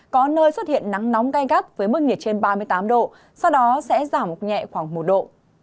có nơi xuất hiện nắng nóng gai gắt với mức nhiệt trên ba mươi tám độ sau đó sẽ giảm nhẹ khoảng một độ